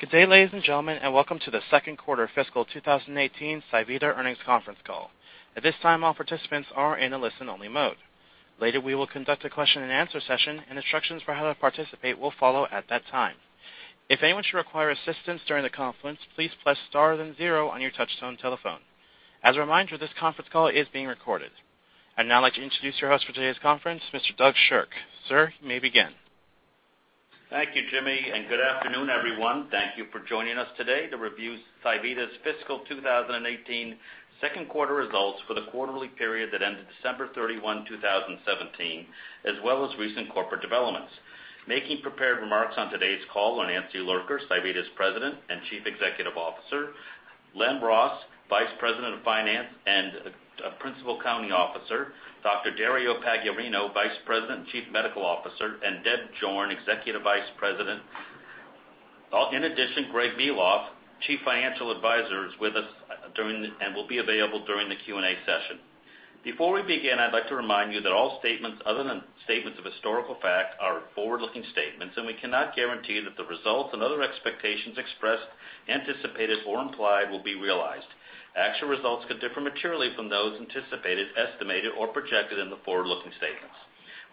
Good day, ladies and gentlemen, welcome to the second quarter fiscal 2018 pSivida earnings conference call. At this time, all participants are in a listen-only mode. Later, we will conduct a question and answer session, and instructions for how to participate will follow at that time. If anyone should require assistance during the conference, please press star then zero on your touchtone telephone. As a reminder, this conference call is being recorded. I'd now like to introduce your host for today's conference, Mr. Doug Sherk. Sir, you may begin. Thank you, Jimmy. Good afternoon, everyone. Thank you for joining us today to review pSivida's fiscal 2018 second quarter results for the quarterly period that ended December 31, 2017, as well as recent corporate developments. Making prepared remarks on today's call are Nancy Lurker, pSivida's President and Chief Executive Officer, Len Ross, Vice President of Finance and Principal Accounting Officer, Dr. Dario Paggiarino, Vice President and Chief Medical Officer, Deb Jorn, Executive Vice President. In addition, Greg Milov, Chief Financial Officer, is with us and will be available during the Q&A session. Before we begin, I'd like to remind you that all statements other than statements of historical fact are forward-looking statements. We cannot guarantee you that the results and other expectations expressed, anticipated, or implied will be realized. Actual results could differ materially from those anticipated, estimated, or projected in the forward-looking statements.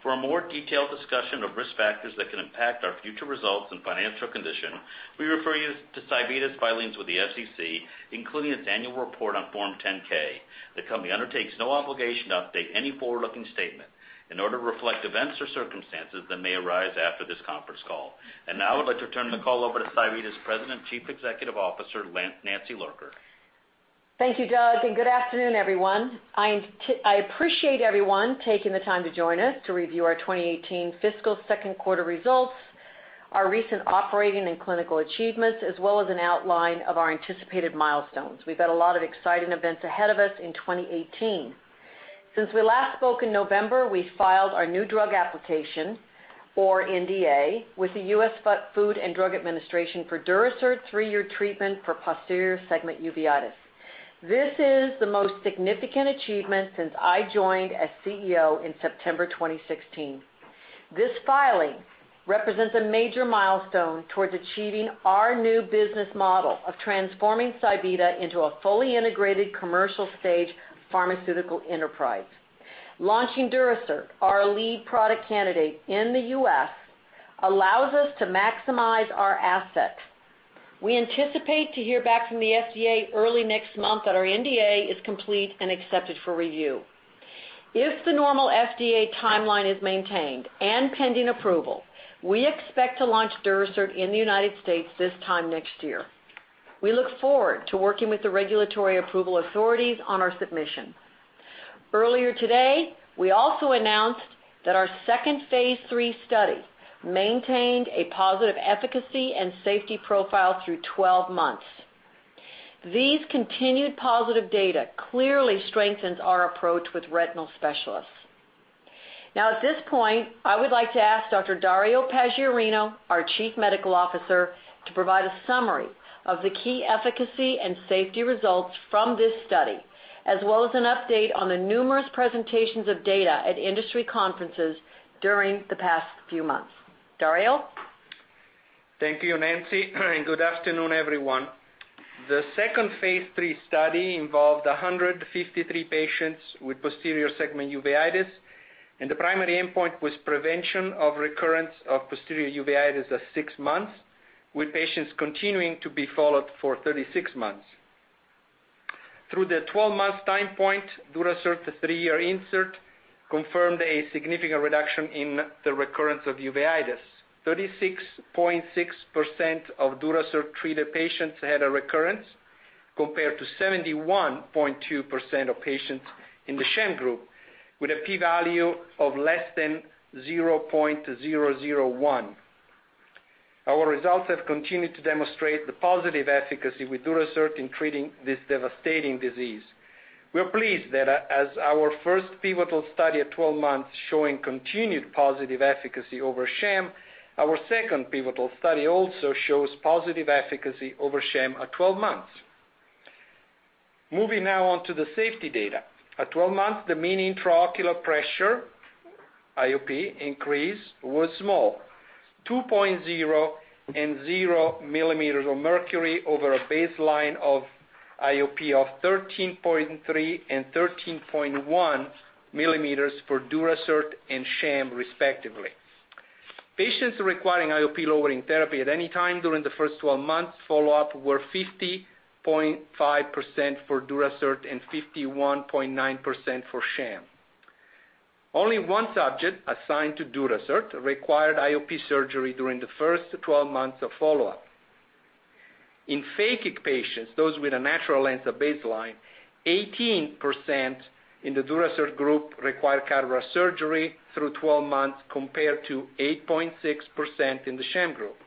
For a more detailed discussion of risk factors that can impact our future results and financial condition, we refer you to pSivida's filings with the SEC, including its annual report on Form 10-K. The company undertakes no obligation to update any forward-looking statement in order to reflect events or circumstances that may arise after this conference call. Now I would like to turn the call over to pSivida's President and Chief Executive Officer, Nancy Lurker. Thank you, Doug. Good afternoon, everyone. I appreciate everyone taking the time to join us to review our 2018 fiscal second quarter results, our recent operating and clinical achievements, as well as an outline of our anticipated milestones. We've got a lot of exciting events ahead of us in 2018. Since we last spoke in November, we filed our new drug application, or NDA, with the U.S. Food and Drug Administration for Durasert 3-year treatment for posterior segment uveitis. This is the most significant achievement since I joined as CEO in September 2016. This filing represents a major milestone towards achieving our new business model of transforming pSivida into a fully integrated commercial-stage pharmaceutical enterprise. Launching Durasert, our lead product candidate in the U.S., allows us to maximize our assets. We anticipate to hear back from the FDA early next month that our NDA is complete and accepted for review. If the normal FDA timeline is maintained, pending approval, we expect to launch Durasert in the United States this time next year. We look forward to working with the regulatory approval authorities on our submission. Earlier today, we also announced that our second phase III study maintained a positive efficacy and safety profile through 12 months. These continued positive data clearly strengthens our approach with retinal specialists. At this point, I would like to ask Dr. Dario Paggiarino, our Chief Medical Officer, to provide a summary of the key efficacy and safety results from this study, as well as an update on the numerous presentations of data at industry conferences during the past few months. Dario? Thank you, Nancy. Good afternoon, everyone. The second phase III study involved 153 patients with posterior segment uveitis, and the primary endpoint was prevention of recurrence of posterior uveitis at 6 months, with patients continuing to be followed for 36 months. Through the 12-month time point, Durasert, the three-year insert, confirmed a significant reduction in the recurrence of uveitis. 36.6% of Durasert-treated patients had a recurrence, compared to 71.2% of patients in the sham group, with a p-value of less than 0.001. Our results have continued to demonstrate the positive efficacy with Durasert in treating this devastating disease. We are pleased that as our first pivotal study at 12 months showing continued positive efficacy over sham, our second pivotal study also shows positive efficacy over sham at 12 months. Moving now on to the safety data. At 12 months, the mean intraocular pressure, IOP increase, was small. 2.0 and 0 millimeters of mercury over a baseline of IOP of 13.3 and 13.1 millimeters for Durasert and sham respectively. Patients requiring IOP-lowering therapy at any time during the first 12 months follow-up were 50.5% for Durasert and 51.9% for sham. Only one subject assigned to Durasert required IOP surgery during the first 12 months of follow-up. In phakic patients, those with a natural lens at baseline, 18% in the Durasert group required cataract surgery through 12 months, compared to 8.6% in the sham group.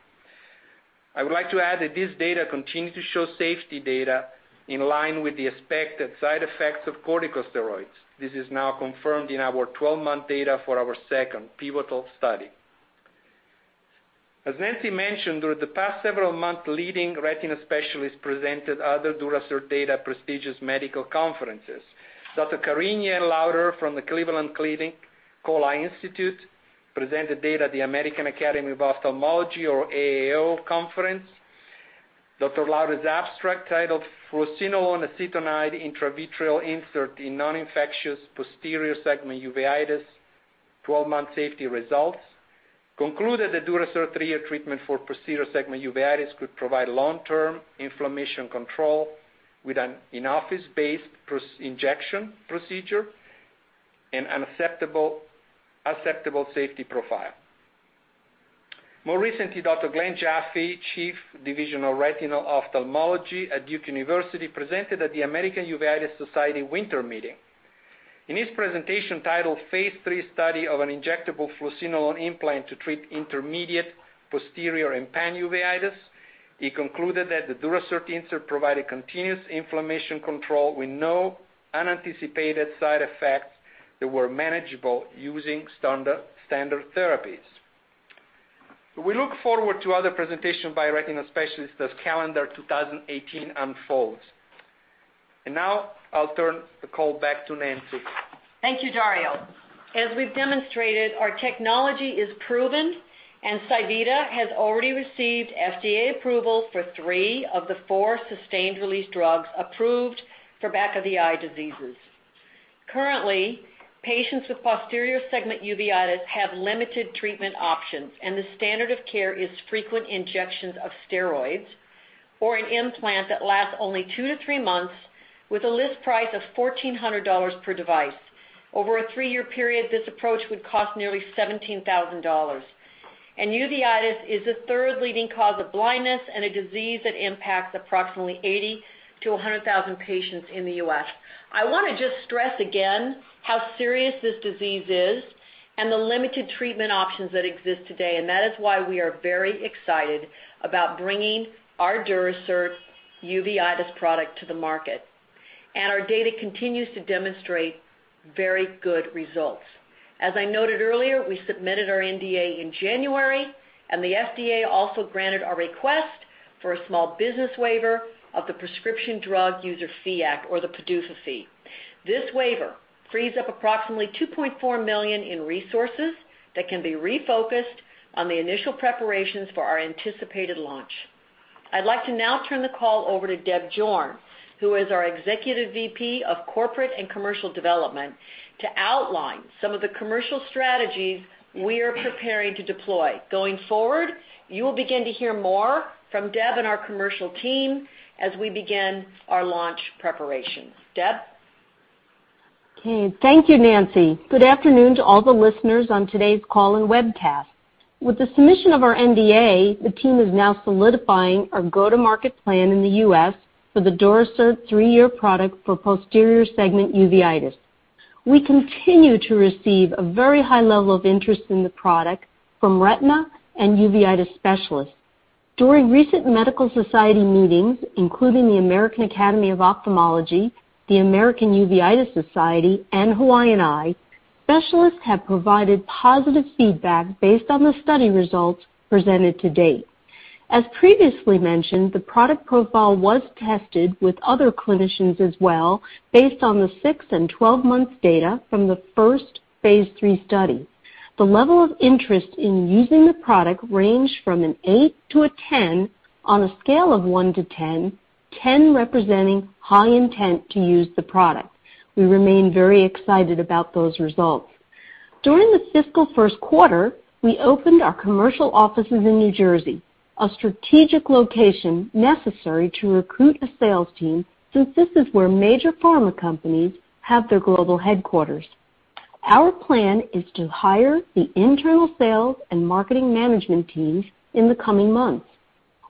I would like to add that this data continues to show safety data in line with the expected side effects of corticosteroids. This is now confirmed in our 12-month data for our second pivotal study. As Nancy mentioned, during the past several months, leading retina specialists presented other Durasert data at prestigious medical conferences. Dr. Careen Lowder from the Cleveland Clinic Cole Eye Institute presented data at the American Academy of Ophthalmology, or AAO, conference. Dr. Lowder's abstract title, fluocinolone acetonide intravitreal insert in non-infectious posterior segment uveitis: 12 month safety results, concluded the Durasert three-year treatment for posterior segment uveitis could provide long-term inflammation control with an in-office based injection procedure and acceptable safety profile. More recently, Dr. Glenn Jaffe, Chief Division of Retinal Ophthalmology at Duke University, presented at the American Uveitis Society winter meeting. In his presentation titled, Phase III study of an injectable fluocinolone implant to treat intermediate, posterior and panuveitis, he concluded that the Durasert insert provided continuous inflammation control with no unanticipated side effects that were manageable using standard therapies. We look forward to other presentation by retinal specialists as calendar 2018 unfolds. I will turn the call back to Nancy. Thank you, Dario. As we've demonstrated, our technology is proven, and EyePoint has already received FDA approval for three of the four sustained release drugs approved for back of the eye diseases. Currently, patients with posterior segment uveitis have limited treatment options, and the standard of care is frequent injections of steroids or an implant that lasts only two to three months with a list price of $1,400 per device. Over a three-year period, this approach would cost nearly $17,000. Uveitis is the third leading cause of blindness and a disease that impacts approximately 80,000-100,000 patients in the U.S. I want to just stress again how serious this disease is and the limited treatment options that exist today, and that is why we are very excited about bringing our Durasert uveitis product to the market. Our data continues to demonstrate very good results. As I noted earlier, we submitted our NDA in January, and the FDA also granted our request for a small business waiver of the Prescription Drug User Fee Act or the PDUFA fee. This waiver frees up approximately $2.4 million in resources that can be refocused on the initial preparations for our anticipated launch. I'd like to now turn the call over to Deb Jorn, who is our Executive VP of Corporate and Commercial Development, to outline some of the commercial strategies we are preparing to deploy. Going forward, you will begin to hear more from Deb and our commercial team as we begin our launch preparations. Deb? Okay. Thank you, Nancy. Good afternoon to all the listeners on today's call and webcast. With the submission of our NDA, the team is now solidifying our go-to-market plan in the U.S. for the Durasert three-year product for posterior segment uveitis. We continue to receive a very high level of interest in the product from retina and uveitis specialists. During recent medical society meetings, including the American Academy of Ophthalmology, the American Uveitis Society, and Hawaiian Eye, specialists have provided positive feedback based on the study results presented to date. As previously mentioned, the product profile was tested with other clinicians as well based on the 6 and 12 months data from the first phase III study. The level of interest in using the product ranged from an 8 to a 10 on a scale of 1 to 10 representing high intent to use the product. We remain very excited about those results. During the fiscal first quarter, we opened our commercial offices in New Jersey, a strategic location necessary to recruit a sales team since this is where major pharma companies have their global headquarters. Our plan is to hire the internal sales and marketing management teams in the coming months.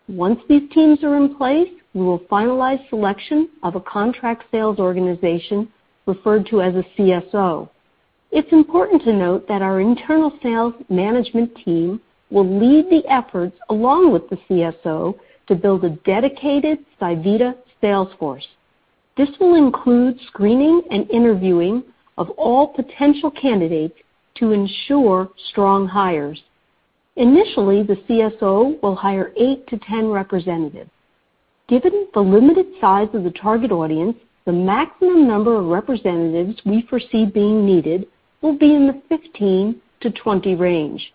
Once these teams are in place, we will finalize selection of a contract sales organization referred to as a CSO. It's important to note that our internal sales management team will lead the efforts along with the CSO to build a dedicated EyePoint sales force. This will include screening and interviewing of all potential candidates to ensure strong hires. Initially, the CSO will hire 8 to 10 representatives. Given the limited size of the target audience, the maximum number of representatives we foresee being needed will be in the 15 to 20 range.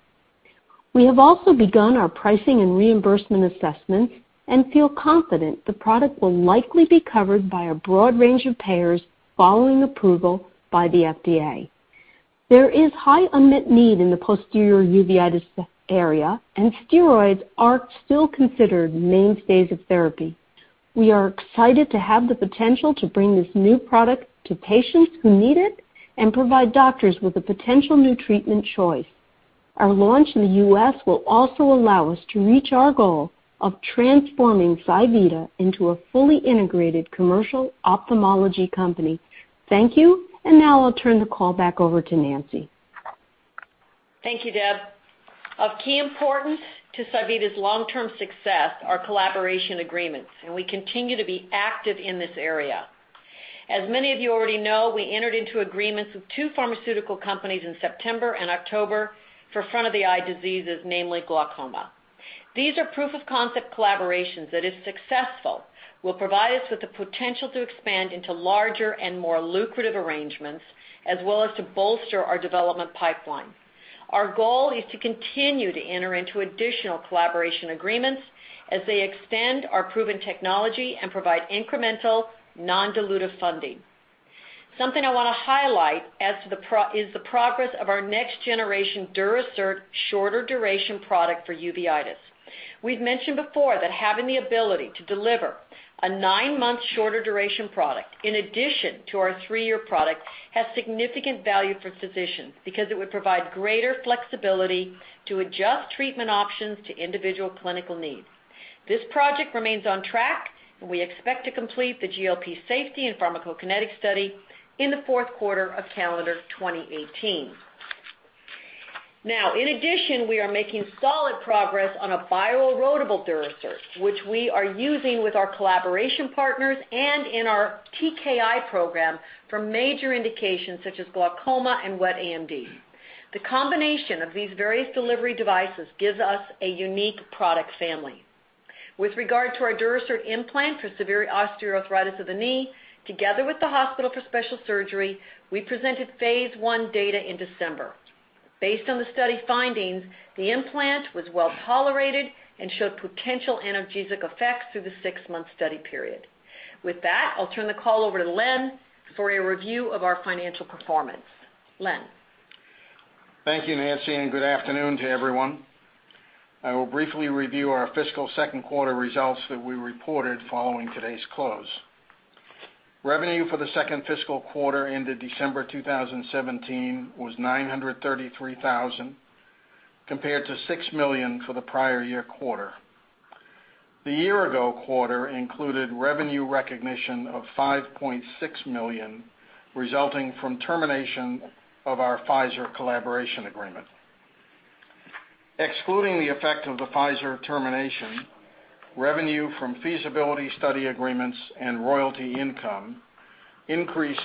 We have also begun our pricing and reimbursement assessments and feel confident the product will likely be covered by a broad range of payers following approval by the FDA. There is high unmet need in the posterior uveitis area, and steroids are still considered mainstays of therapy. We are excited to have the potential to bring this new product to patients who need it and provide doctors with a potential new treatment choice. Our launch in the U.S. will also allow us to reach our goal of transforming pSivida into a fully integrated commercial ophthalmology company. Thank you, and now I'll turn the call back over to Nancy. Thank you, Deb. Of key importance to pSivida's long-term success are collaboration agreements, we continue to be active in this area. As many of you already know, we entered into agreements with two pharmaceutical companies in September and October for front of the eye diseases, namely glaucoma. These are proof of concept collaborations that, if successful, will provide us with the potential to expand into larger and more lucrative arrangements, as well as to bolster our development pipeline. Something I want to highlight is the progress of our next generation Durasert shorter duration product for uveitis. We've mentioned before that having the ability to deliver a nine-month shorter duration product in addition to our three-year product has significant value for physicians because it would provide greater flexibility to adjust treatment options to individual clinical needs. This project remains on track, we expect to complete the GLP safety and pharmacokinetic study in the fourth quarter of calendar 2018. In addition, we are making solid progress on a bioerodible Durasert, which we are using with our collaboration partners and in our TKI program for major indications such as glaucoma and wet AMD. The combination of these various delivery devices gives us a unique product family. With regard to our Durasert implant for severe osteoarthritis of the knee, together with the Hospital for Special Surgery, we presented phase I data in December. Based on the study findings, the implant was well-tolerated and showed potential analgesic effects through the six-month study period. With that, I'll turn the call over to Len for a review of our financial performance. Len. Thank you, Nancy, and good afternoon to everyone. I will briefly review our fiscal second quarter results that we reported following today's close. Revenue for the second fiscal quarter ended December 2017 was $933,000, compared to $6 million for the prior year quarter. The year-ago quarter included revenue recognition of $5.6 million, resulting from termination of our Pfizer collaboration agreement. Excluding the effect of the Pfizer termination, revenue from feasibility study agreements and royalty income increased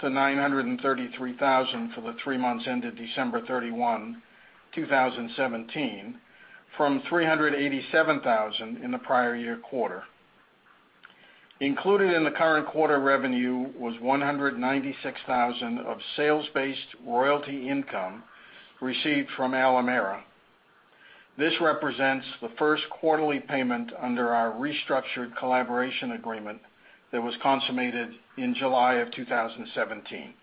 to $933,000 for the three months ended December 31, 2017, from $387,000 in the prior year quarter. Included in the current quarter revenue was $196,000 of sales-based royalty income received from Alimera. This represents the first quarterly payment under our restructured collaboration agreement that was consummated in July of 2017.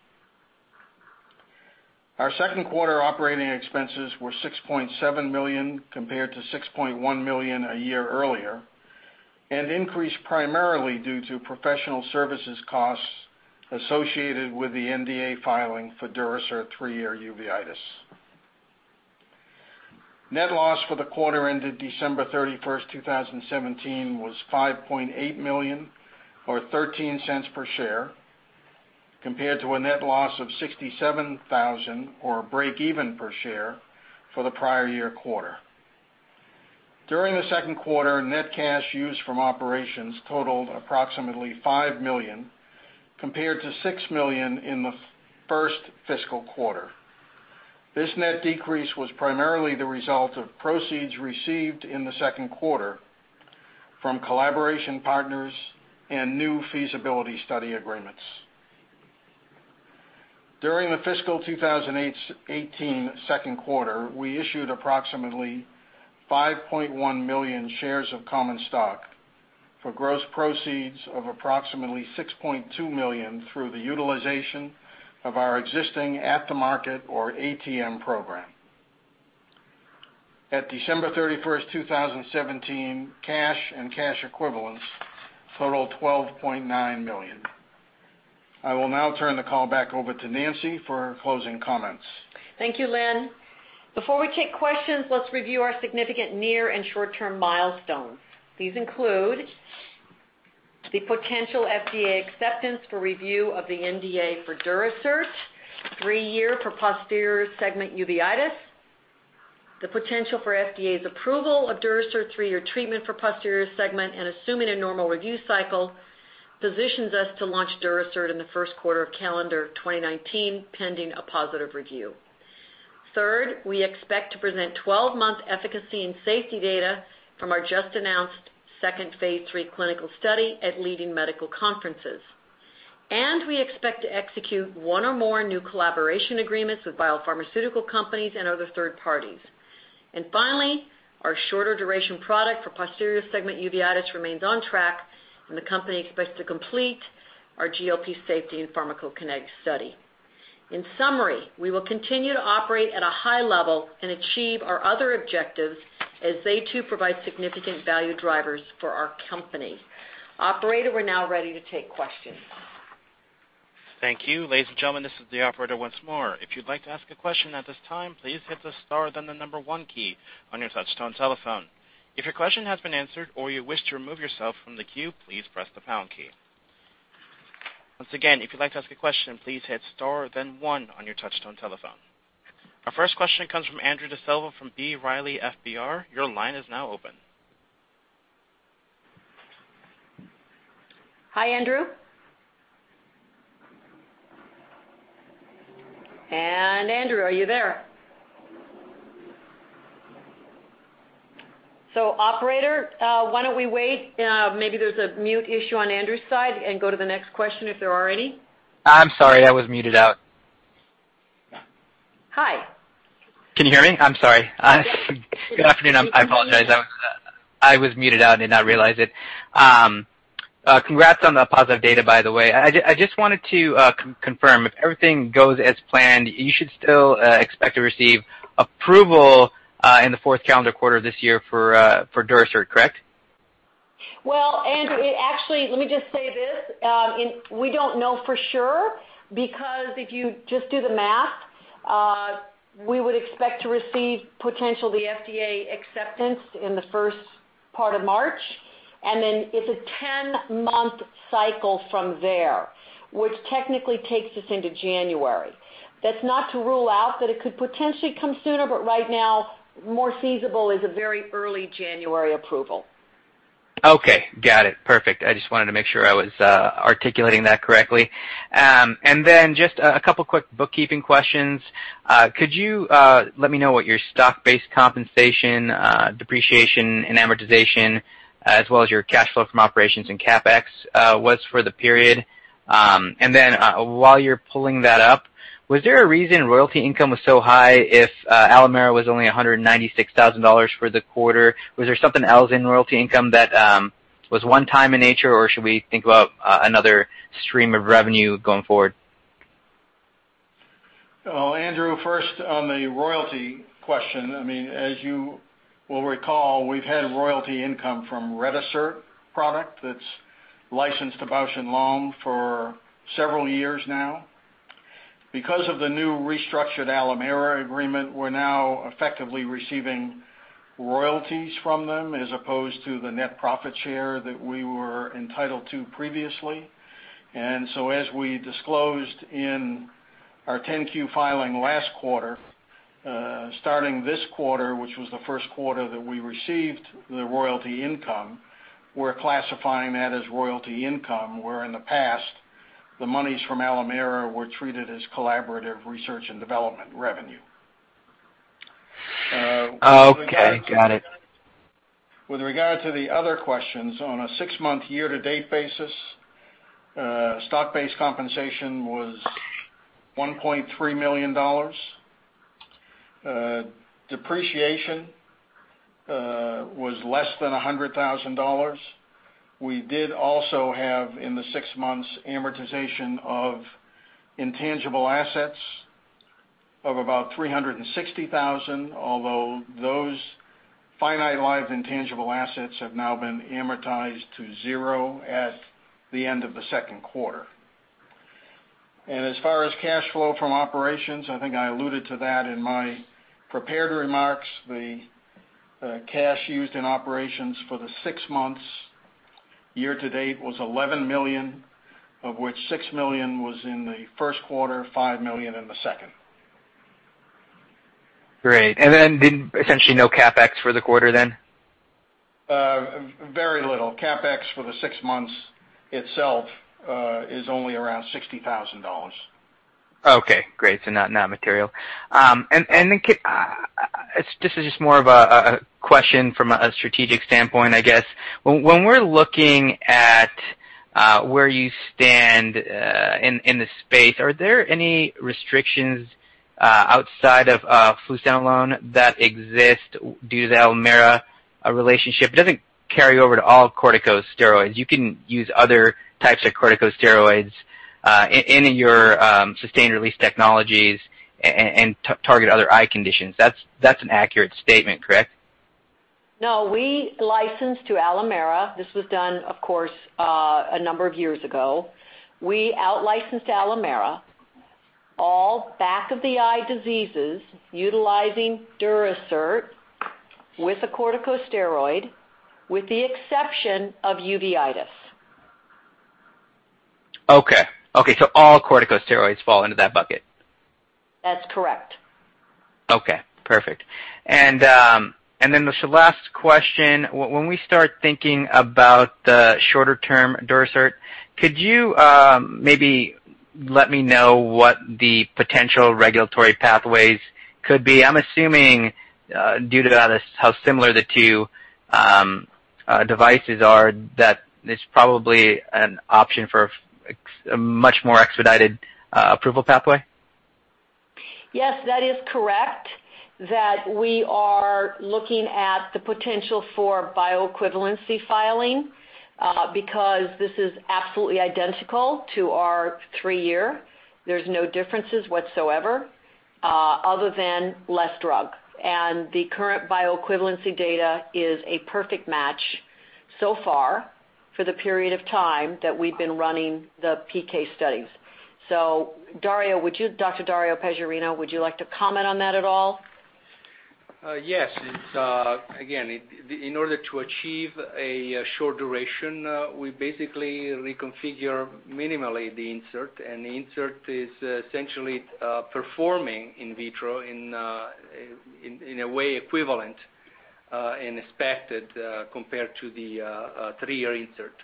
Our second quarter operating expenses were $6.7 million compared to $6.1 million a year earlier. Increased primarily due to professional services costs associated with the NDA filing for Durasert three-year uveitis. Net loss for the quarter ended December 31, 2017, was $5.8 million or $0.13 per share, compared to a net loss of $67,000 or breakeven per share for the prior year quarter. During the second quarter, net cash used from operations totaled approximately $5 million, compared to $6 million in the first fiscal quarter. This net decrease was primarily the result of proceeds received in the second quarter from collaboration partners and new feasibility study agreements. During the fiscal 2018 second quarter, we issued approximately 5.1 million shares of common stock for gross proceeds of approximately $6.2 million through the utilization of our existing at-the-market or ATM program. At December 31, 2017, cash and cash equivalents totaled $12.9 million. I will now turn the call back over to Nancy for closing comments. Thank you, Len. Before we take questions, let's review our significant near and short-term milestones. These include the potential FDA acceptance for review of the NDA for Durasert three-year for posterior segment uveitis. The potential for FDA's approval of Durasert three-year treatment for posterior segment and assuming a normal review cycle positions us to launch Durasert in the first quarter of calendar 2019, pending a positive review. Third, we expect to present 12-month efficacy and safety data from our just-announced second phase III clinical study at leading medical conferences. We expect to execute one or more new collaboration agreements with biopharmaceutical companies and other third parties. Finally, our shorter duration product for posterior segment uveitis remains on track, and the company expects to complete our GLP safety and pharmacokinetic study. In summary, we will continue to operate at a high level and achieve our other objectives as they too provide significant value drivers for our company. Operator, we're now ready to take questions. Thank you. Ladies and gentlemen, this is the operator once more. If you'd like to ask a question at this time, please hit the star then the number one key on your touch-tone telephone. If your question has been answered or you wish to remove yourself from the queue, please press the pound key. Once again, if you'd like to ask a question, please hit star then one on your touch-tone telephone. Our first question comes from Andrew D'Silva from B. Riley FBR. Your line is now open. Hi, Andrew. Andrew, are you there? Operator, why don't we wait? Maybe there's a mute issue on Andrew's side and go to the next question if there are any. I'm sorry, I was muted out. Hi. Can you hear me? I'm sorry. Yes. Good afternoon. I apologize. I was muted out and did not realize it. Congrats on the positive data, by the way. I just wanted to confirm, if everything goes as planned, you should still expect to receive approval in the fourth calendar quarter of this year for Durasert, correct? Well, Andrew, actually, let me just say this. We don't know for sure because if you just do the math, we would expect to receive potentially the FDA acceptance in the first part of March, and then it's a 10-month cycle from there, which technically takes us into January. That's not to rule out that it could potentially come sooner, but right now more feasible is a very early January approval. Okay. Got it. Perfect. I just wanted to make sure I was articulating that correctly. Just a couple of quick bookkeeping questions. Could you let me know what your stock-based compensation, depreciation, and amortization, as well as your cash flow from operations and CapEx, was for the period? While you're pulling that up, was there a reason royalty income was so high if Alimera was only $196,000 for the quarter? Was there something else in royalty income that was one time in nature, or should we think about another stream of revenue going forward? Andrew, first on the royalty question. As you will recall, we've had royalty income from RETISERT product that's licensed to Bausch + Lomb for several years now. Because of the new restructured Alimera agreement, we're now effectively receiving royalties from them as opposed to the net profit share that we were entitled to previously. As we disclosed in our 10-Q filing last quarter, starting this quarter, which was the first quarter that we received the royalty income, we're classifying that as royalty income, where in the past, the monies from Alimera were treated as collaborative research and development revenue. Okay. Got it. With regard to the other questions, on a six-month year-to-date basis, stock-based compensation was $1.3 million. Depreciation was less than $100,000. We did also have, in the six months, amortization of intangible assets of about $360,000, although those finite life intangible assets have now been amortized to zero at the end of the second quarter. As far as cash flow from operations, I think I alluded to that in my prepared remarks. The cash used in operations for the six months year-to-date was $11 million, of which $6 million was in the first quarter, $5 million in the second. Great. Essentially no CapEx for the quarter then? Very little. CapEx for the six months itself is only around $60,000. Not material. This is just more of a question from a strategic standpoint, I guess. When we're looking at where you stand in the space, are there any restrictions outside of fluocinolone alone that exist due to the Alimera relationship? It doesn't carry over to all corticosteroids. You can use other types of corticosteroids in your sustained release technologies and target other eye conditions. That's an accurate statement, correct? We licensed to Alimera. This was done, of course, a number of years ago. We out-licensed Alimera all back of the eye diseases utilizing Durasert with a corticosteroid with the exception of uveitis. All corticosteroids fall into that bucket. That's correct. Okay, perfect. This last question. When we start thinking about the shorter-term Durasert, could you maybe let me know what the potential regulatory pathways could be? I'm assuming due to how similar the two devices are that it's probably an option for a much more expedited approval pathway. Yes, that is correct that we are looking at the potential for bioequivalence filing because this is absolutely identical to our three-year. There's no differences whatsoever other than less drug. The current bioequivalence data is a perfect match so far for the period of time that we've been running the PK studies. Dr. Dario Paggiarino, would you like to comment on that at all? Yes. Again, in order to achieve a short duration, we basically reconfigure minimally the insert, and the insert is essentially performing in vitro in a way equivalent and expected compared to the three-year insert.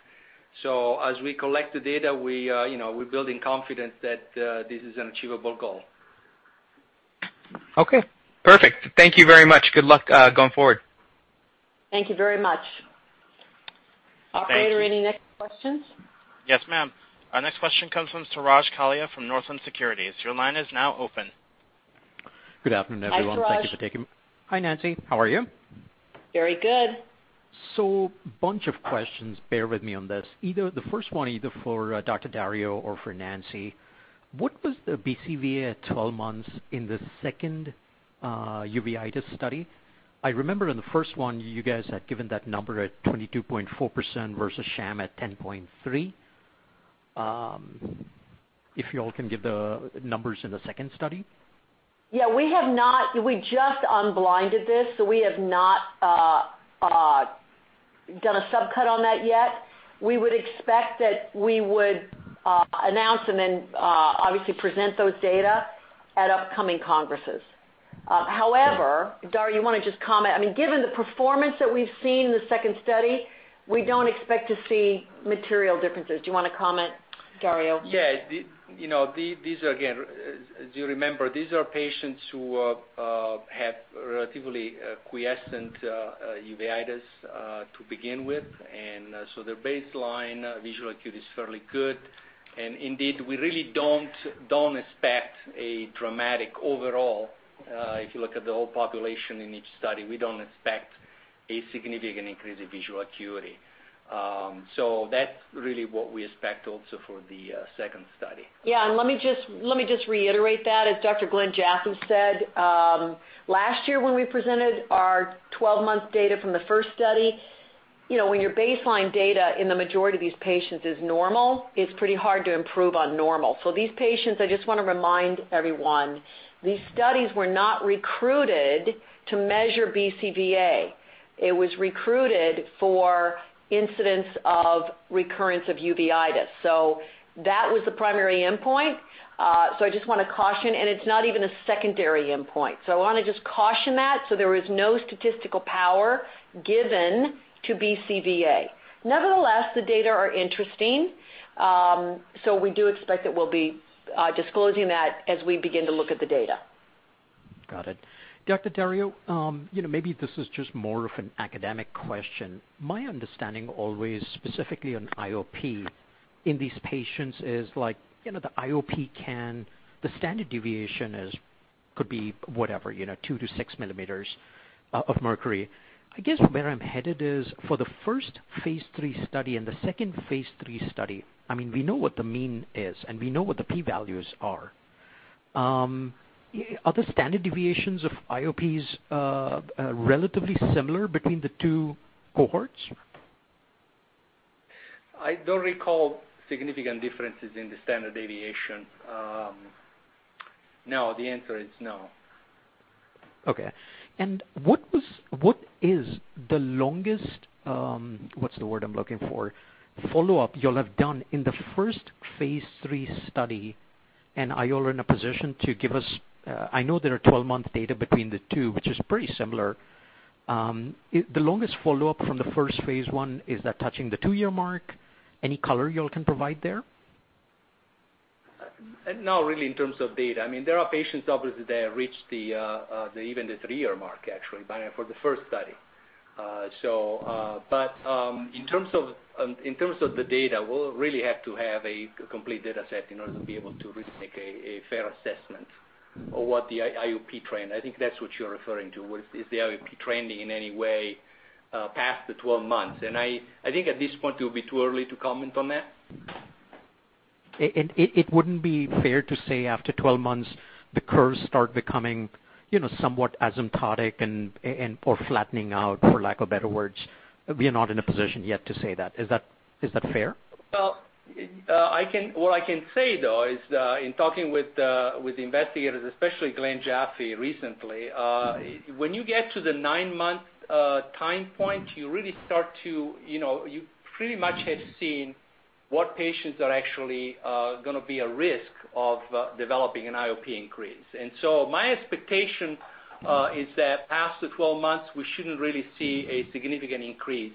As we collect the data, we're building confidence that this is an achievable goal. Okay, perfect. Thank you very much. Good luck going forward. Thank you very much. Thank you. Operator, any next questions? Yes, ma'am. Our next question comes from Suraj Kalia from Northland Securities. Your line is now open. Good afternoon, everyone. Hi, Suraj. Thank you for taking-- Hi, Nancy. How are you? Very good. Bunch of questions. Bear with me on this. The first one, either for Dr. Dario or for Nancy. What was the BCVA at 12 months in the second uveitis study? I remember in the first one, you guys had given that number at 22.4% versus sham at 10.3. If you all can give the numbers in the second study. Yeah, we just unblinded this, so we have not done a subcut on that yet. We would expect that we would announce and then obviously present those data at upcoming congresses. However, Dario, you want to just comment? Given the performance that we've seen in the second study, we don't expect to see material differences. Do you want to comment, Dario? Yeah. As you remember, these are patients who have relatively quiescent uveitis to begin with, and so their baseline visual acuity is fairly good. Indeed, we really don't expect a dramatic overall, if you look at the whole population in each study, we don't expect a significant increase in visual acuity. That's really what we expect also for the second study. Let me just reiterate that. As Dr. Glenn Jaffe said, last year when we presented our 12-month data from the first study, when your baseline data in the majority of these patients is normal, it's pretty hard to improve on normal. These patients, I just want to remind everyone, these studies were not recruited to measure BCVA. It was recruited for incidents of recurrence of uveitis. That was the primary endpoint. I just want to caution, and it's not even a secondary endpoint. I want to just caution that, there was no statistical power given to BCVA. Nevertheless, the data are interesting. We do expect that we'll be disclosing that as we begin to look at the data. Got it. Dr. Dario, maybe this is just more of an academic question. My understanding always, specifically on IOP in these patients is the IOP, the standard deviation could be whatever, 2 to 6 millimeters of mercury. I guess where I'm headed is for the first phase III study and the second phase III study, we know what the mean is, and we know what the P values are. Are the standard deviations of IOPs relatively similar between the two cohorts? I don't recall significant differences in the standard deviation. No, the answer is no. Okay. What is the longest, what's the word I'm looking for? Follow-up you all have done in the first phase III study, and are you all in a position to give us, I know there are 12-month data between the two, which is pretty similar. The longest follow-up from the first phase I, is that touching the 2-year mark? Any color you all can provide there? Not really in terms of data. There are patients, obviously, that have reached even the three-year mark, actually, for the first study. In terms of the data, we'll really have to have a complete data set in order to be able to really make a fair assessment of what the IOP trend. I think that's what you're referring to, is the IOP trending in any way past the 12 months. I think at this point, it will be too early to comment on that. It wouldn't be fair to say after 12 months, the curves start becoming somewhat asymptotic or flattening out, for lack of better words. We are not in a position yet to say that. Is that fair? Well, what I can say, though, is in talking with the investigators, especially Glenn Jaffe, recently, when you get to the nine-month time point, you pretty much have seen what patients are actually going to be a risk of developing an IOP increase. My expectation is that past the 12 months, we shouldn't really see a significant increase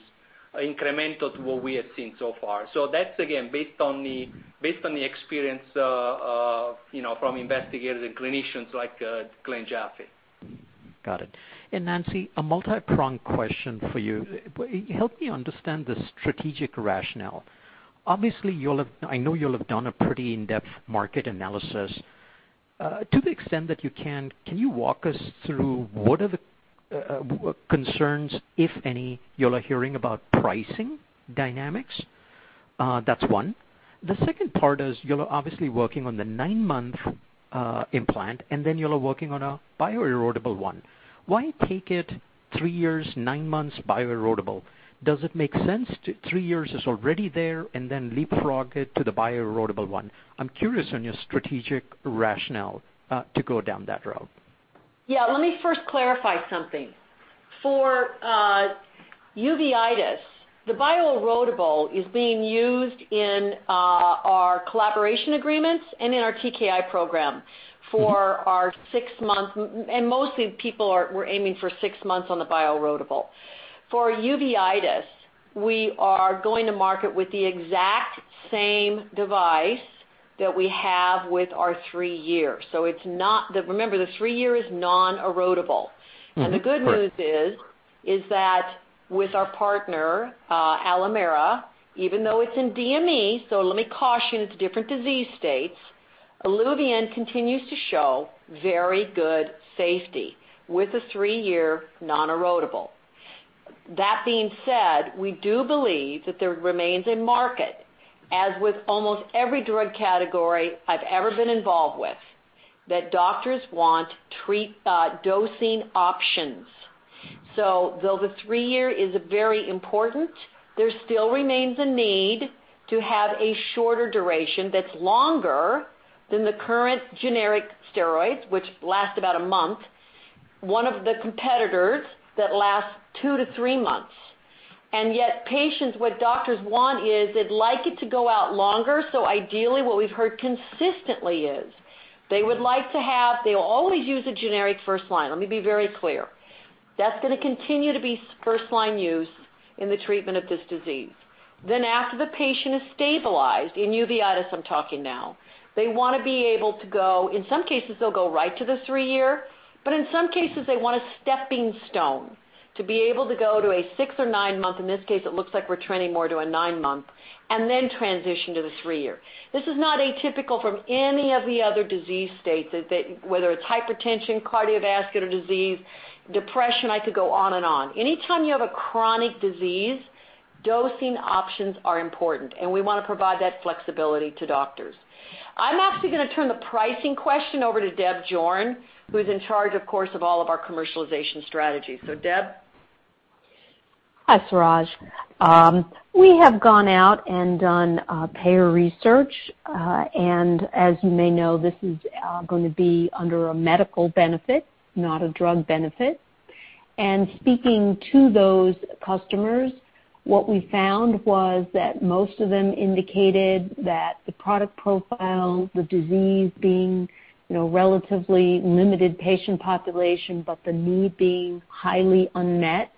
incremental to what we have seen so far. That's, again, based on the experience from investigators and clinicians like Glenn Jaffe. Got it. Nancy, a multi-pronged question for you. Help me understand the strategic rationale. Obviously, I know you'll have done a pretty in-depth market analysis. To the extent that you can you walk us through what are the concerns, if any, you're hearing about pricing dynamics? That's one. The second part is you're obviously working on the nine-month implant, and then you're working on a bioerodible one. Why take it three years, nine months bioerodible? Does it make sense three years is already there and then leapfrog it to the bioerodible one? I'm curious on your strategic rationale to go down that road. Yeah. Let me first clarify something. For uveitis, the bioerodible is being used in our collaboration agreements and in our TKI program for our 6 months, and mostly people were aiming for 6 months on the bioerodible. For uveitis, we are going to market with the exact same device that we have with our 3-year. Remember, the 3-year is non-erodible. Mm-hmm. Right. The good news is that with our partner, Alimera, even though it's in DME, let me caution, it's different disease states, ILUVIEN continues to show very good safety with the 3-year non-erodible. That being said, we do believe that there remains a market, as with almost every drug category I've ever been involved with, that doctors want dosing options. Though the 3-year is very important, there still remains a need to have a shorter duration that's longer than the current generic steroids, which last about one month, one of the competitors that lasts two to three months. Yet patients, what doctors want is they'd like it to go out longer. Ideally, what we've heard consistently is they will always use a generic first line. Let me be very clear. That's going to continue to be first line use in the treatment of this disease. After the patient is stabilized, in uveitis I'm talking now, they want to be able to go, in some cases, they'll go right to the 3-year, but in some cases, they want a stepping stone to be able to go to a 6 or 9-month, in this case, it looks like we're trending more to a 9-month, and then transition to the 3-year. This is not atypical from any of the other disease states, whether it's hypertension, cardiovascular disease, depression, I could go on and on. Anytime you have a chronic disease, dosing options are important, and we want to provide that flexibility to doctors. I'm actually going to turn the pricing question over to Deb Jorn, who's in charge, of course, of all of our commercialization strategies. Deb? Hi, Suraj. We have gone out and done payer research. As you may know, this is going to be under a medical benefit, not a drug benefit. Speaking to those customers, what we found was that most of them indicated that the product profile, the disease being relatively limited patient population, but the need being highly unmet.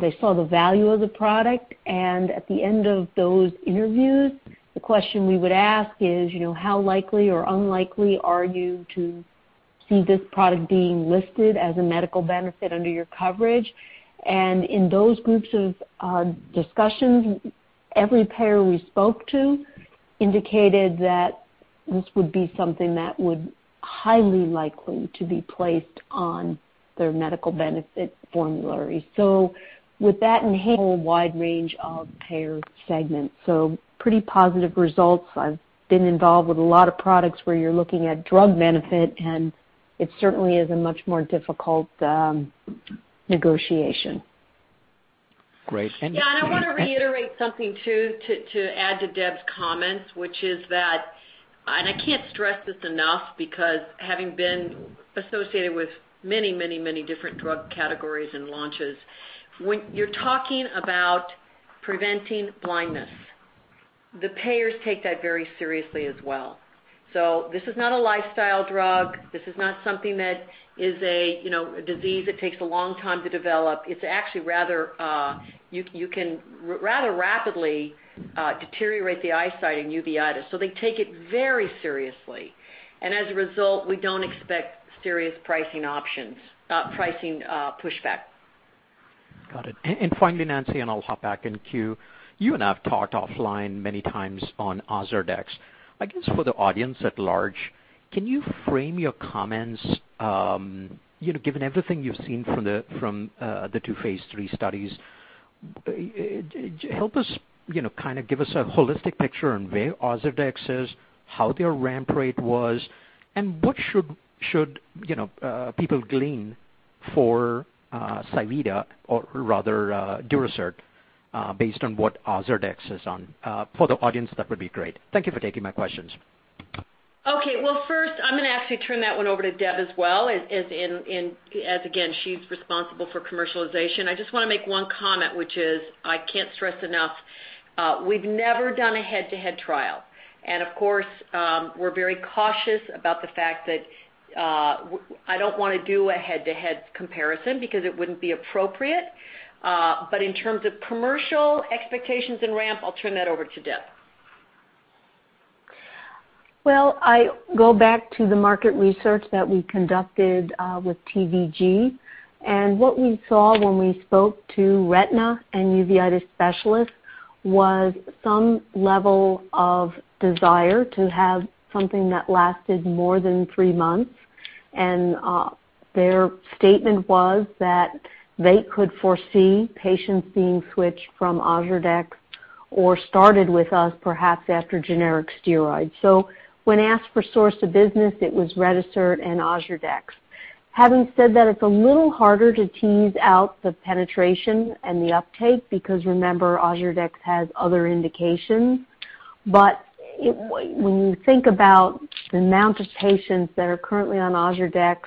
They saw the value of the product, and at the end of those interviews, the question we would ask is, "How likely or unlikely are you to see this product being listed as a medical benefit under your coverage?" In those groups of discussions, every payer we spoke to indicated that this would be something that would highly likely to be placed on their medical benefit formulary. With that whole wide range of payer segments. Pretty positive results. I've been involved with a lot of products where you're looking at drug benefit, and it certainly is a much more difficult negotiation. Great. Yeah, I want to reiterate something, too, to add to Deb's comments, which is that, I can't stress this enough because having been associated with many different drug categories and launches, when you're talking about preventing blindness, the payers take that very seriously as well. This is not a lifestyle drug. This is not something that is a disease that takes a long time to develop. You can rather rapidly deteriorate the eyesight in uveitis. They take it very seriously. As a result, we don't expect serious pricing pushback. Got it. Finally, Nancy, I'll hop back in queue. You and I have talked offline many times on OZURDEX. I guess for the audience at large, can you frame your comments given everything you've seen from the two phase III studies, help us, kind of give us a holistic picture on where OZURDEX is, how their ramp rate was, and what should people glean for pSivida or rather Durasert based on what OZURDEX is on. For the audience, that would be great. Thank you for taking my questions. Okay. Well, first, I'm going to actually turn that one over to Deb as well, as again, she's responsible for commercialization. I just want to make one comment, which is I can't stress enough, we've never done a head-to-head trial. Of course, we're very cautious about the fact that I don't want to do a head-to-head comparison because it wouldn't be appropriate. In terms of commercial expectations and ramp, I'll turn that over to Deb. Well, I go back to the market research that we conducted with TVG. What we saw when we spoke to retina and uveitis specialists was some level of desire to have something that lasted more than three months. Their statement was that they could foresee patients being switched from OZURDEX or started with us perhaps after generic steroids. When asked for source of business, it was RETISERT and OZURDEX. Having said that, it's a little harder to tease out the penetration and the uptake because remember, OZURDEX has other indications. When you think about the amount of patients that are currently on OZURDEX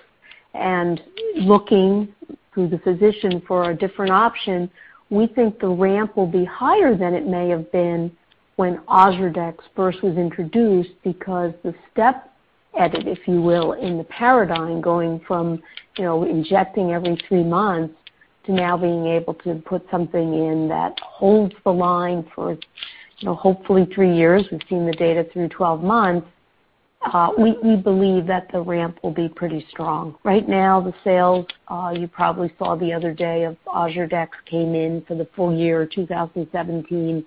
and looking through the physician for a different option, we think the ramp will be higher than it may have been when OZURDEX first was introduced because the step edit, if you will, in the paradigm, going from injecting every three months to now being able to put something in that holds the line for hopefully three years. We've seen the data through 12 months. We believe that the ramp will be pretty strong. Right now, the sales, you probably saw the other day of OZURDEX came in for the full year 2017,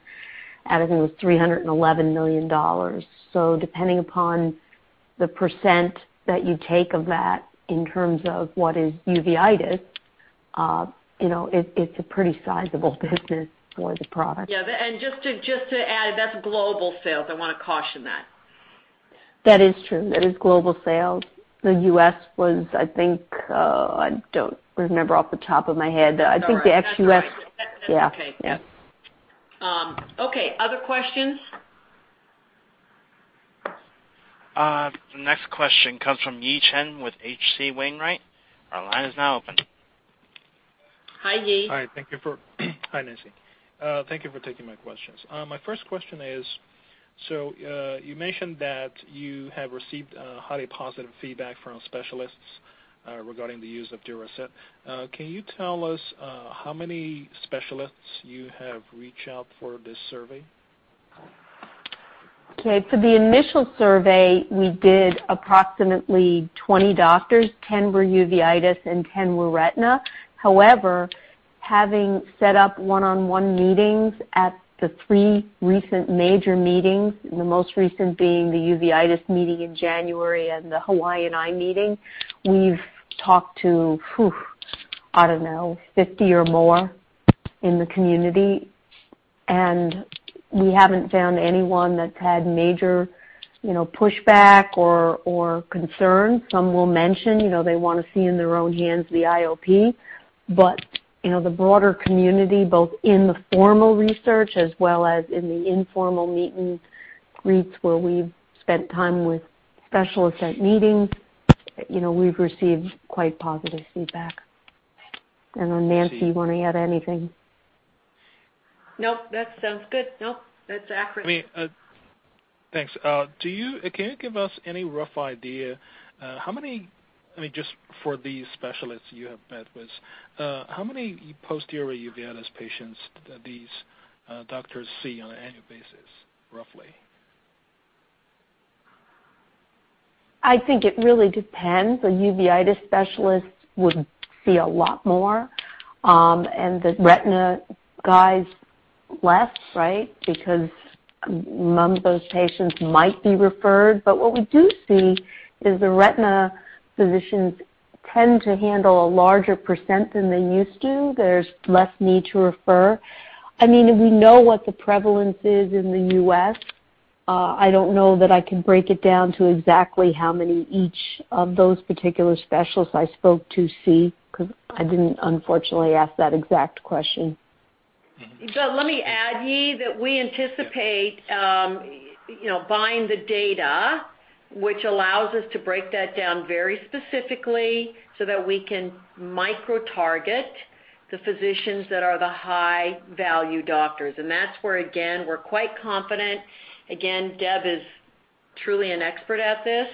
I think it was $311 million. Depending upon the % that you take of that in terms of what is uveitis, it's a pretty sizable business for the product. Yeah. Just to add, that's global sales. I want to caution that. That is true. That is global sales. The U.S. was, I think, I don't remember off the top of my head. That's all right. I think the ex U.S.- That's okay. Yeah. Yeah. Okay. Other questions? The next question comes from Yi Chen with H.C. Wainwright. Our line is now open. Hi, Yi. Hi, Nancy. Thank you for taking my questions. My first question is, you mentioned that you have received highly positive feedback from specialists regarding the use of Durasert. Can you tell us how many specialists you have reached out for this survey? Okay. For the initial survey, we did approximately 20 doctors. 10 were uveitis and 10 were retina. However, having set up one-on-one meetings at the three recent major meetings, the most recent being the uveitis meeting in January and the Hawaiian Eye Meeting, we've talked to, I don't know, 50 or more in the community. We haven't found anyone that's had major pushback or concern. Some will mention they want to see in their own hands the IOP. The broader community, both in the formal research as well as in the informal meet and greets where we've spent time with specialists at meetings, we've received quite positive feedback. Nancy, you want to add anything? Nope. That sounds good. Nope. That's accurate. Thanks. Can you give us any rough idea how many, just for these specialists you have met with, how many posterior uveitis patients that these doctors see on an annual basis, roughly? I think it really depends. The uveitis specialists would see a lot more, and the retina guys less, right? None of those patients might be referred. What we do see is the retina physicians tend to handle a larger % than they used to. There's less need to refer. We know what the prevalence is in the U.S. I don't know that I can break it down to exactly how many each of those particular specialists I spoke to see, because I didn't unfortunately ask that exact question. Let me add, Yi, that we anticipate buying the data, which allows us to break that down very specifically so that we can micro-target the physicians that are the high-value doctors. That's where, again, we're quite confident. Again, Deb is truly an expert at this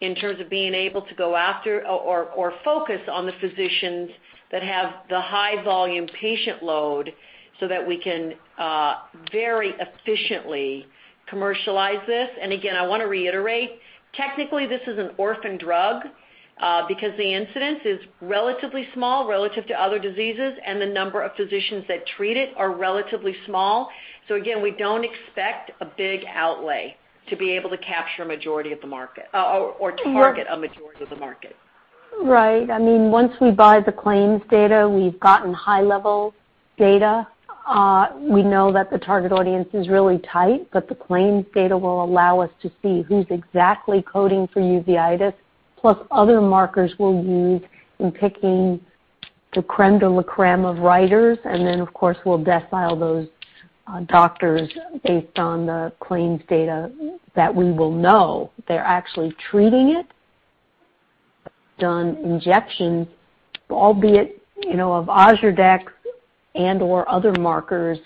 in terms of being able to go after or focus on the physicians that have the high-volume patient load so that we can very efficiently commercialize this. Again, I want to reiterate, technically, this is an orphan drug, because the incidence is relatively small relative to other diseases, and the number of physicians that treat it are relatively small. Again, we don't expect a big outlay to be able to capture a majority of the market or to target- Yeah a majority of the market. Right. Once we buy the claims data, we've gotten high-level data. We know that the target audience is really tight, the claims data will allow us to see who's exactly coding for uveitis, plus other markers we'll use in picking the crème de la crème of writers. Then, of course, we'll decile those doctors based on the claims data that we will know they're actually treating it, done injections, albeit, of OZURDEX and/or other markers,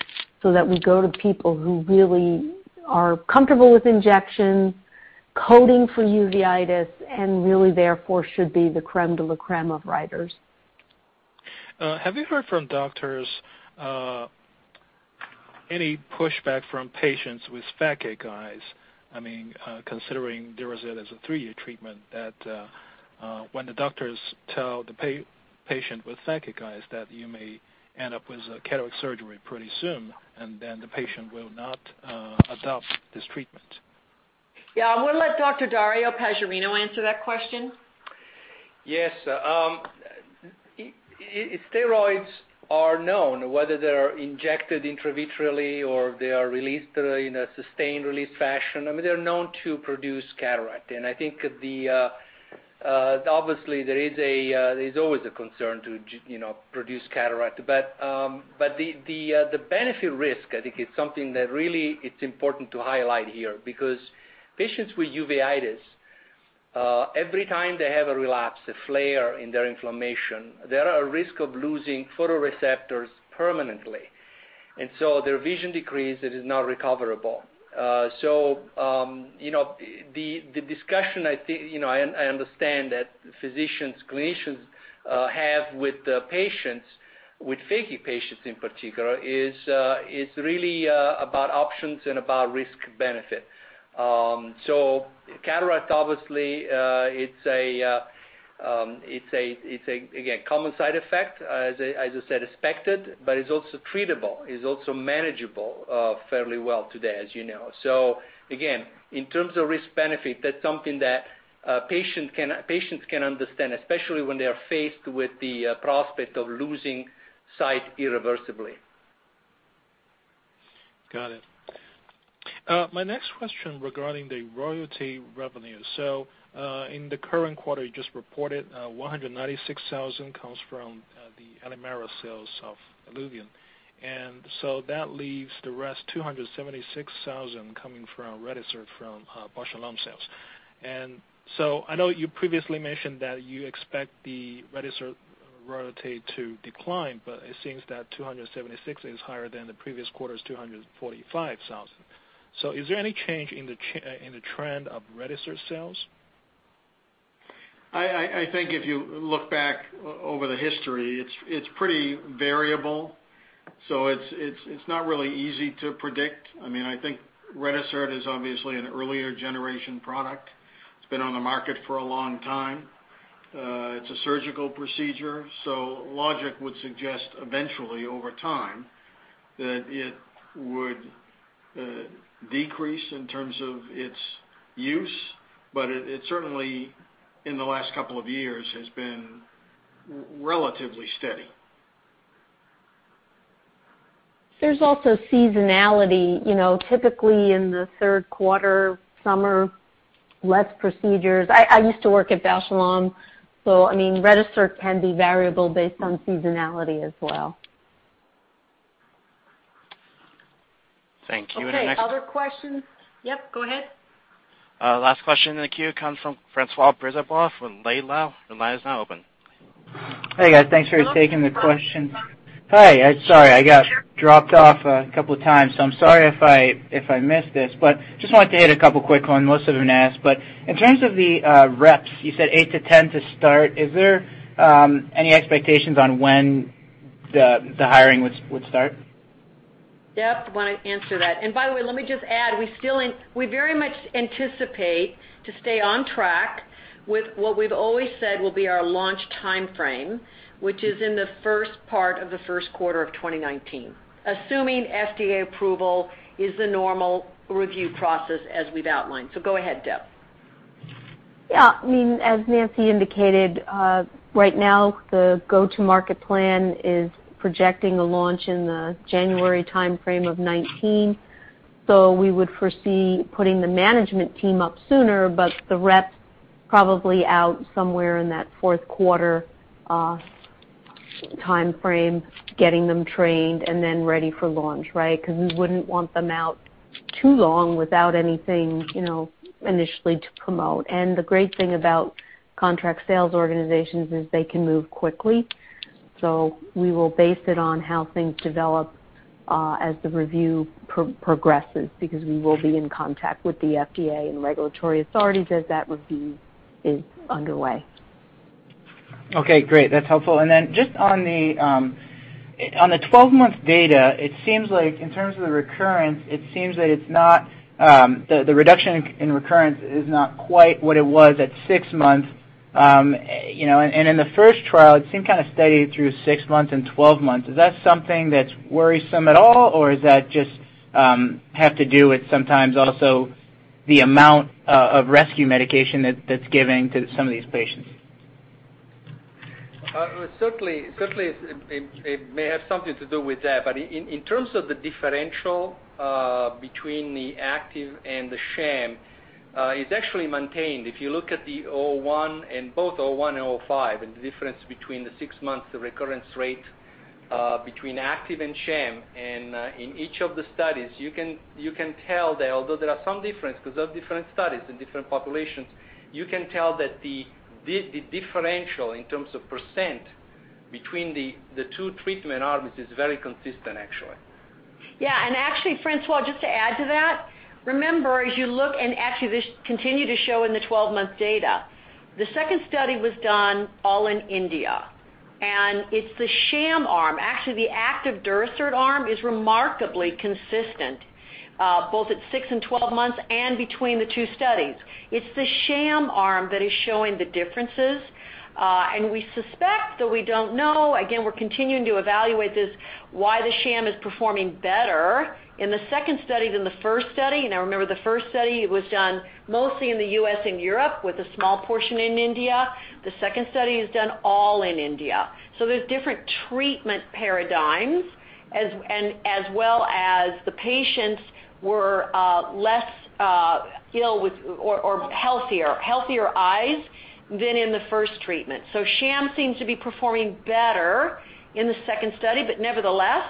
so that we go to people who really are comfortable with injections, coding for uveitis, and really, therefore, should be the crème de la crème of writers. Have you heard from doctors any pushback from patients with phakic eyes? Considering Durasert is a three-year treatment that when the doctors tell the patient with phakic eyes that you may end up with a cataract surgery pretty soon, the patient will not adopt this treatment. Yeah. I'm going to let Dr. Dario Paggiarino answer that question. Yes. Steroids are known, whether they're injected intravitreally or they are released in a sustained release fashion. They're known to produce cataract. I think obviously, there's always a concern to produce cataract. The benefit risk, I think, is something that really it's important to highlight here. Because patients with uveitis, every time they have a relapse, a flare in their inflammation, there are risk of losing photoreceptors permanently. Their vision decrease, it is not recoverable. The discussion I think, I understand that physicians, clinicians have with patients, with phakic patients in particular, is really about options and about risk benefit. Cataracts, obviously, it's a, again, common side effect, as I said, expected, but it's also treatable, is also manageable fairly well today, as you know. Again, in terms of risk benefit, that's something that patients can understand, especially when they're faced with the prospect of losing sight irreversibly. Got it. My next question regarding the royalty revenue. In the current quarter, you just reported $196,000 comes from the Alimera sales of ILUVIEN. That leaves the rest, $276,000 coming from RETISERT from Bausch + Lomb sales. I know you previously mentioned that you expect the RETISERT royalty to decline, but it seems that 276 is higher than the previous quarter's $245,000. Is there any change in the trend of RETISERT sales? I think if you look back over the history, it's pretty variable. It's not really easy to predict. I think RETISERT is obviously an earlier generation product. It's been on the market for a long time. It's a surgical procedure, so logic would suggest eventually over time that it would decrease in terms of its use, but it certainly in the last couple of years has been relatively steady. There's also seasonality. Typically in the third quarter, summer, less procedures. I used to work at Bausch + Lomb, so RETISERT can be variable based on seasonality as well. Thank you. Okay. Other questions? Yep, go ahead. Last question in the queue comes from Francois Brisebois with your line is now open. Hey, guys. Thanks for taking the question. Hi. Sorry, I got dropped off a couple of times, so I'm sorry if I missed this, but just wanted to hit a couple of quick one most of them asked, but in terms of the reps, you said 8 to 10 to start. Is there any expectations on when the hiring would start? Deb want to answer that. By the way, let me just add, we very much anticipate to stay on track with what we've always said will be our launch timeframe, which is in the first part of the first quarter of 2019, assuming FDA approval is the normal review process as we've outlined. Go ahead, Deb. As Nancy indicated, right now the go-to-market plan is projecting a launch in the January timeframe of 2019. We would foresee putting the management team up sooner, but the reps probably out somewhere in that fourth quarter timeframe, getting them trained and then ready for launch, right? Because we wouldn't want them out too long without anything initially to promote. The great thing about contract sales organizations is they can move quickly. We will base it on how things develop as the review progresses because we will be in contact with the FDA and regulatory authorities as that review is underway. Okay, great. That's helpful. Then just on the 12-month data, it seems like in terms of the recurrence, it seems that the reduction in recurrence is not quite what it was at six months. In the first trial, it seemed kind of steady through six months and 12 months. Is that something that's worrisome at all or is that just have to do with sometimes also the amount of rescue medication that's given to some of these patients? Certainly, it may have something to do with that, but in terms of the differential between the active and the sham, it's actually maintained. If you look at the 01 and both 01 and 05 and the difference between the six months, the recurrence rate, between active and sham and in each of the studies, you can tell that although there are some difference because they're different studies and different populations, you can tell that the differential in terms of % between the two treatment arms is very consistent actually. Yeah. Actually, Francois, just to add to that, remember as you look and actually this continue to show in the 12-month data, the second study was done all in India, and it's the sham arm. Actually, the active Durasert arm is remarkably consistent both at six and 12 months and between the two studies. It's the sham arm that is showing the differences. We suspect that we don't know. Again, we're continuing to evaluate this, why the sham is performing better in the second study than the first study. Remember the first study was done mostly in the U.S. and Europe with a small portion in India. The second study is done all in India. There's different treatment paradigms as well as the patients were less ill or healthier eyes than in the first treatment. Sham seems to be performing better in the second study, but nevertheless,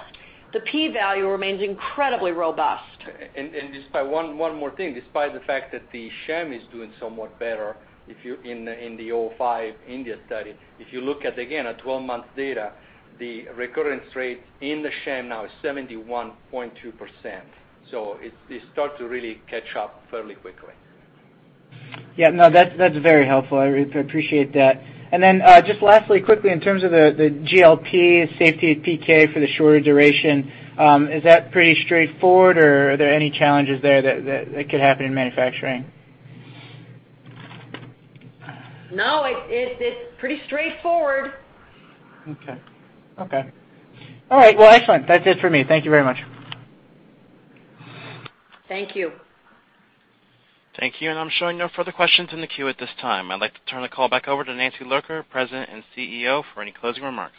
the P value remains incredibly robust. Just one more thing. Despite the fact that the sham is doing somewhat better in the 05 India study. If you look at again, a 12-month data, the recurrence rate in the sham now is 71.2%. It start to really catch up fairly quickly. Yeah. No, that's very helpful. I appreciate that. Then just lastly, quickly, in terms of the GLP safety PK for the shorter duration, is that pretty straightforward or are there any challenges there that could happen in manufacturing? No, it's pretty straightforward. Okay. All right. Well, excellent. That's it for me. Thank you very much. Thank you. Thank you. I'm showing no further questions in the queue at this time. I'd like to turn the call back over to Nancy Lurker, President and CEO, for any closing remarks.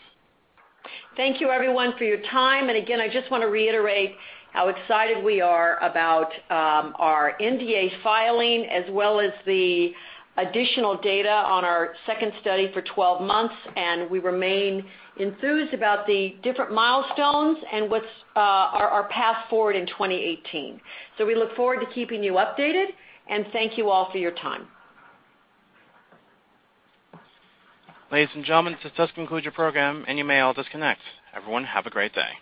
Thank you everyone for your time. Again, I just want to reiterate how excited we are about our NDA filing as well as the additional data on our second study for 12 months. We remain enthused about the different milestones and what's our path forward in 2018. We look forward to keeping you updated, and thank you all for your time. Ladies and gentlemen, this does conclude your program and you may all disconnect. Everyone have a great day.